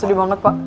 sedih banget pak